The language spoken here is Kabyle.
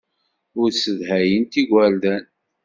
Ur ssedhayent igerdan.